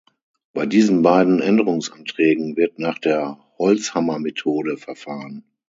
Bei diesen beiden Änderungsanträgen wird nach der Holzhammermethode verfahren.